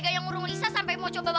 lanjang sekali kamu ya